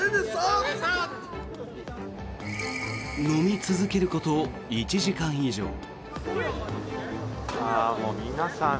飲み続けること１時間以上。